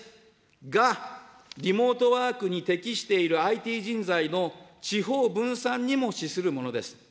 が、リモートワークに適しているＩＴ人材の地方分散にも資するものです。